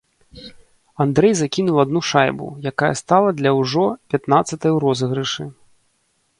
Андрэй закінуў адну шайбу, якая стала для ўжо пятнаццатай у розыгрышы.